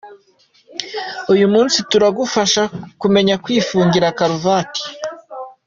Uyu munsi turagufasha kumenya kwifungira karuvati.